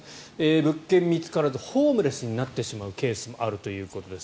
物件が見つからずホームレスになってしまうケースもあるということです。